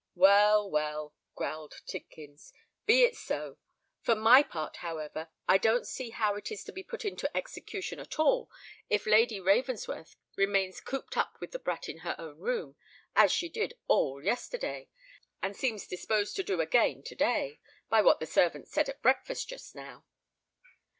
"Well, well," growled Tidkins: "be it so. For my part, however, I don't see how it is to be put into execution at all, if Lady Ravensworth remains cooped up with the brat in her own room, as she did all yesterday, and seems disposed to do again to day, by what the servants said at breakfast just now."